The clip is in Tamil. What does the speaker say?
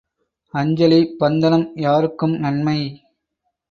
அஞ்சலி பந்தனம் யாருக்கும் நன்மை.